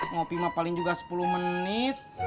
ngopi mah paling juga sepuluh menit